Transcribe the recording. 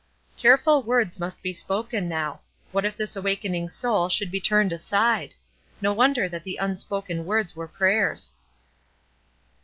Careful words must be spoken now. What if this awakening soul should be turned aside! No wonder that the unspoken words were prayers.